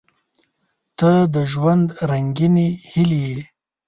• ته د ژوند رنګینې هیلې یې.